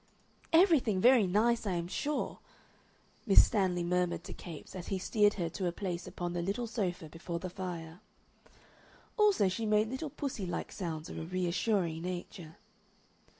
"Everything very nice, I am sure," Miss Stanley murmured to Capes as he steered her to a place upon the little sofa before the fire. Also she made little pussy like sounds of a reassuring nature.